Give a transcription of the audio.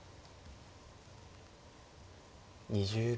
２０秒。